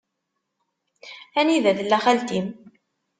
Anida tella xalti-m?